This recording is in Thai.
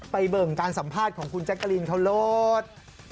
เบิ่งการสัมภาษณ์ของคุณแจ๊กกะลินเขาลด